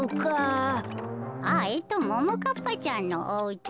あももかっぱちゃんのおうち。